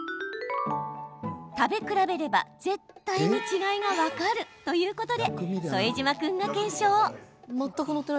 食べ比べれば絶対に違いが分かるということで、副島君が検証。